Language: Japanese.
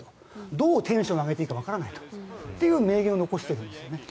どうテンションを上げていいかわからないという名言を残しているんですね。